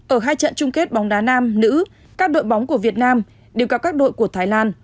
ở hai trận chung kết bóng đá nam nữ các đội bóng của việt nam đều có các đội của thái lan